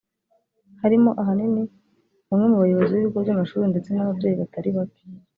harimo ahanini bamwe mu bayobozi b’ibigo by’amashuri ndetse n’ababyeyi batari bake